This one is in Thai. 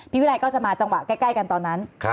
วิรัยก็จะมาจังหวะใกล้กันตอนนั้น